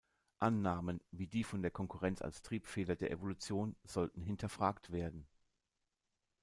Annahmen wie die von der Konkurrenz als Triebfeder der Evolution sollten hinterfragt werden.